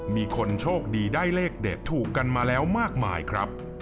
มีคนโชคดีได้เลขเด็ดถูกกันมาแล้วมากมายครับ